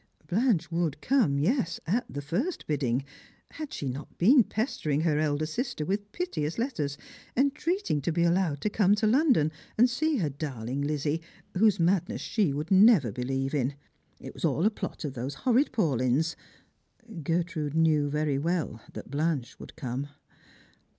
Blanche would come, yes, at the first bidding. Had she noi Ijeen pestering her elder sister with piteous letters, entreating to be allowed to come to London and see her darling Lizzie, whose madness she would never believe in. It was all a plot of those horrid Paulyns. Gertrude knew very well that Blanche would come.